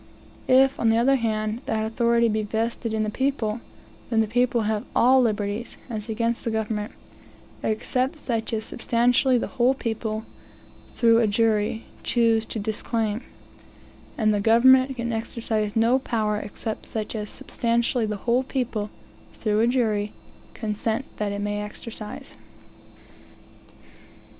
If, on the other hand, that authority be vested in the people, then the people have all liberties, (as against the government,) except suc as substantially the whole people (through a jury) choose to disclaim; and the government can exercise no power except such as substantially the whole people (through a jury) consent that it may exercise.